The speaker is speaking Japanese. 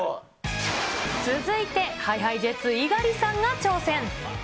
続いて、ＨｉＨｉＪｅｔｓ・猪狩さんが挑戦。